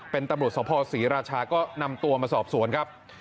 เป็นตำรวจสภศรีราชาก็นำตัวมาสอบสวนครับ